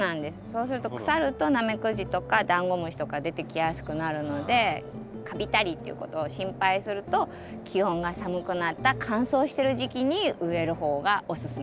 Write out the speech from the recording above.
そうすると腐るとナメクジとかダンゴムシとか出てきやすくなるのでカビたりっていうことを心配すると気温が寒くなった乾燥してる時期に植える方がおすすめ。